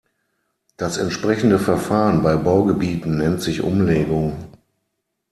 Das entsprechende Verfahren bei Baugebieten nennt sich Umlegung.